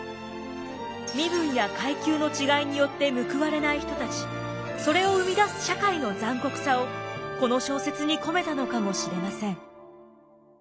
身分や階級の違いによって報われない人たちそれを生み出す社会の残酷さをこの小説に込めたのかもしれません。